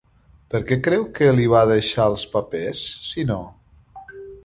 Per què creu que li va deixar els papers, si no?